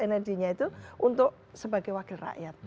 energinya itu untuk sebagai wakil rakyat